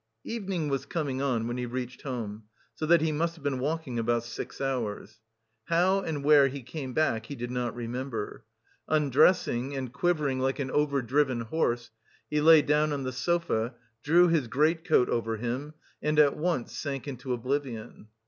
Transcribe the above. Evening was coming on when he reached home, so that he must have been walking about six hours. How and where he came back he did not remember. Undressing, and quivering like an overdriven horse, he lay down on the sofa, drew his greatcoat over him, and at once sank into oblivion....